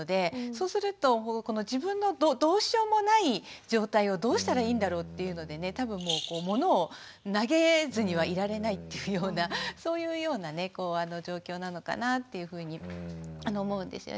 そうすると自分のどうしようもない状態をどうしたらいいんだろうっていうのでね多分そういうような状況なのかなっていうふうに思うんですよね。